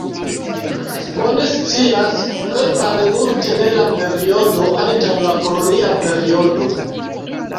Oni scias tre malmulte de la periodo antaŭ la kolonia periodo.